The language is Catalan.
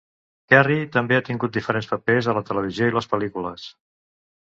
Kerry també ha tingut diferents papers a la televisió i les pel·lícules.